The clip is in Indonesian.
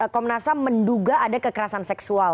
komnasam menduga ada kekerasan seksual